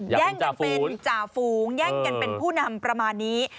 แย่งกันเป็นจ่าฝูงแย่งกันเป็นผู้นำประมาณนี้